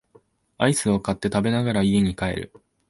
アイスを買って食べながら家に帰る